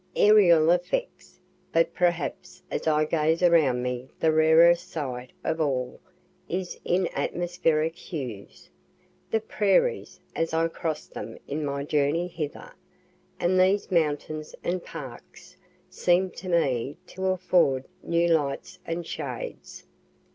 Aerial effects. But perhaps as I gaze around me the rarest sight of all is in atmospheric hues. The prairies as I cross'd them in my journey hither and these mountains and parks, seem to me to afford new lights and shades.